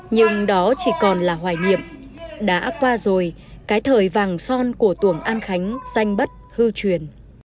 nhưng đó chỉ còn là hoài nhiệm đã qua rồi cái thời vàng son của tuồng an khánh danh bất hư truyền